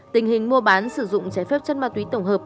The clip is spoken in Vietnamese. tình hình mua bán sử dụng trái phép chất ma túy tổng hợp